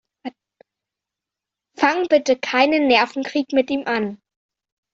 Fang bitte keinen Nervenkrieg mit ihm an.